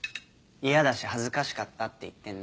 嫌だし恥ずかしかったって言ってんだよ。